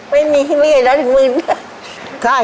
ไม่มีเมืองัน๑๐๐๐๐บาท